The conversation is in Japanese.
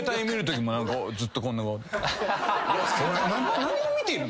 何を見てるの！？